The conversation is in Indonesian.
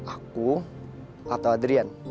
aku atau adrian